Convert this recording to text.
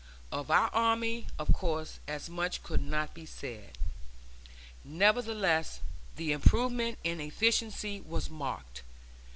Of our army, of course, as much could not be said. Nevertheless the improvement in efficiency was marked.